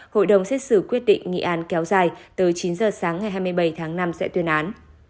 hội đồng xét xử quyết định nghị án kéo dài từ chín h sáng ngày hai mươi bảy tháng năm sẽ tuyên án